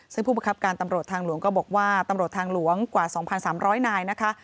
ซึ่งผู้ประคับการตำรวจทางหลวงก็บอกว่าตำรวจทางหลวงกว่า๒๓๐๐นายนะคะ